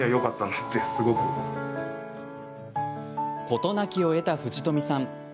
事なきを得た藤冨さん。